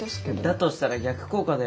だとしたら逆効果だよ。